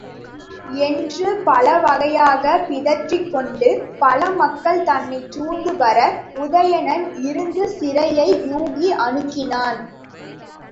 என்று பலவகையாகப் பிதற்றிக் கொண்டு பல மக்கள் தன்னைச் சூழ்ந்துவர உதயணன் இருந்த சிறையை யூகி அணுகினான்.